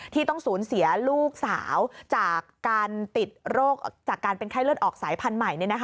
ที่ต้องสูญเสียลูกสาวจากการเป็นไข้เลือดออกสายพันธุ์ใหม่